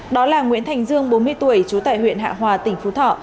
đó là nguyễn thành dương bốn mươi tuổi trú tại huyện hạ hòa tỉnh phú thọ